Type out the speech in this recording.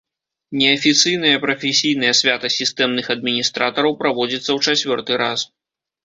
Неафіцыйнае прафесійнае свята сістэмных адміністратараў праводзіцца ў чацвёрты раз.